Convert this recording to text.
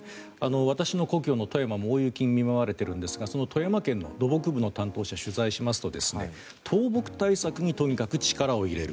私の故郷の富山も大雪に見舞われているんですがその富山県の土木部の担当者に取材をしますと倒木対策にとにかく力を入れる。